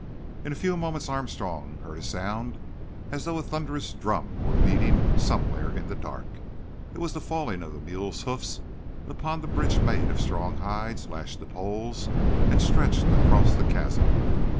In a few moments Armstrong, heard a sound as though a thunderous drum were beating somewhere in the dark. It was the falling of the mules' hoofs upon the bridge made of strong hides lashed to poles and stretched across the chasm.